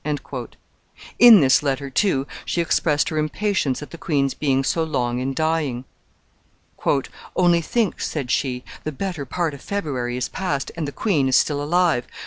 In this letter, too, she expressed her impatience at the queen's being so long in dying. "Only think," said she, "the better part of February is past, and the queen is still alive.